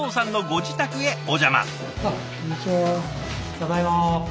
ただいま。